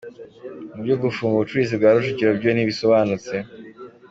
Mubyo gufunga ubucuruzi bwa Rujugiro byo ntibisobanutse.